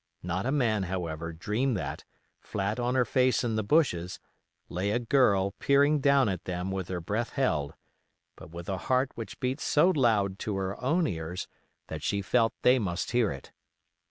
Not a man, however, dreamed that, flat on her face in the bushes, lay a girl peering down at them with her breath held, but with a heart which beat so loud to her own ears that she felt they must hear it.